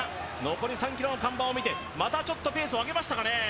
残り３ｋｍの看板を見てまたちょっとペースを上げましたかね。